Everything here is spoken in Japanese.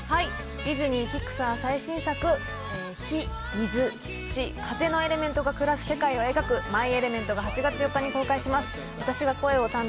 ディズニー・ピクサー最新作、火、水、土、風のエレメントが暮らす世界を描く、マイ・エレメントが８月４日に公開します。